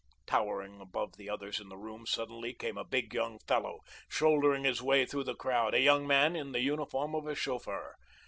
Towering above the others in the room suddenly came a big young fellow shouldering his way through the crowd, a young man in the uniform of a chauffeur.